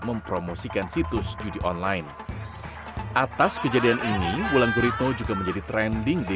mempromosikan situs judi online atas kejadian ini wulan guritno juga menjadi trending di